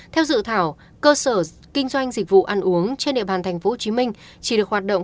theo dự thảo cơ sở kinh doanh dịch vụ ăn uống trên địa bàn tp hcm chỉ được hoạt động